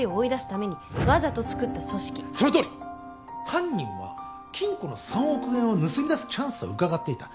犯人は金庫の３億円を盗み出すチャンスをうかがっていた。